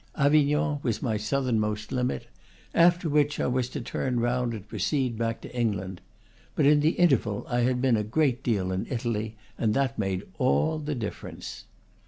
Avignon was my southernmost limit; after which I was to turn round and proceed back to England. But in the interval I had been a great deal in Italy, and that made all the difference.